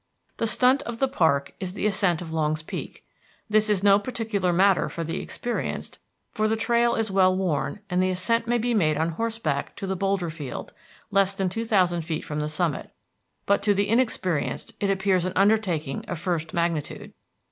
The "stunt" of the park is the ascent of Longs Peak. This is no particular matter for the experienced, for the trail is well worn, and the ascent may be made on horseback to the boulder field, less than two thousand feet from the summit; but to the inexperienced it appears an undertaking of first magnitude.